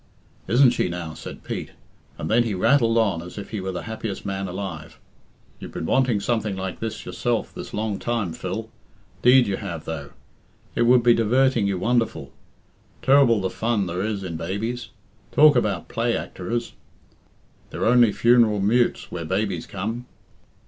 "Isn't she now?" said Pete, and then he rattled on as if he were the happiest man alive. "You've been wanting something like this yourself this long time, Phil. 'Deed you have, though. It would be diverting you wonderful. Ter'ble the fun there is in babies. Talk about play actorers! They're only funeral mutes where babies come.